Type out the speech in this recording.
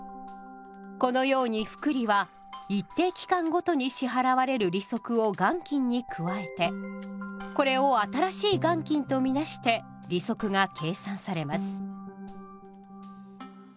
このように複利は一定期間ごとに支払われる利息を元金に加えてこれを新しい元金とみなして利息が計算されます。